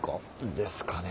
ですかね。